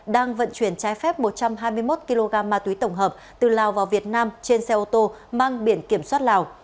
đang vận chuyển trái phép một trăm hai mươi một kg ma túy tổng hợp từ lào vào việt nam trên xe ô tô mang biển kiểm soát lào